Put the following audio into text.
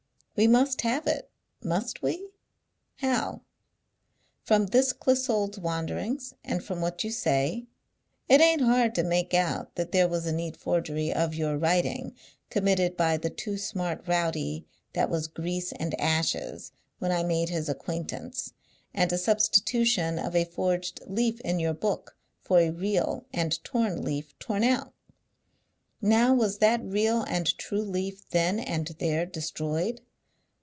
We must have it; must we? How? From this Clissold's wanderings, and from what you say, it ain't hard to make out that there was a neat forgery of your writing committed by the too smart rowdy that was grease and ashes when I made his acquaintance, and a substitution of a forged leaf in your book for a real and torn leaf torn out. Now was that real and true leaf then and there destroyed?